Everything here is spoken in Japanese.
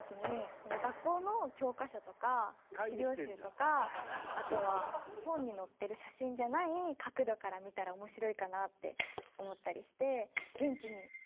何かあとは本に載ってる写真じゃない角度から見たら面白いかなって思ったりして。